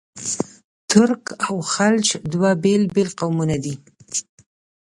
ترک او خلج دوه بېل بېل قومونه دي.